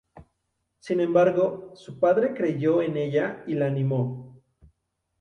Sin embargo, su padre creyó en ella y la animó.